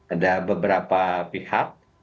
ada beberapa pihak